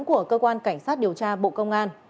của cơ quan cảnh sát điều tra bộ công an